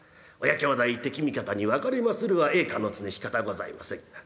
親兄弟敵味方に分かれまするは栄華の常しかたございません。